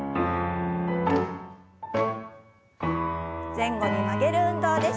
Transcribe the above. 前後に曲げる運動です。